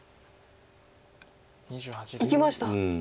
いきました。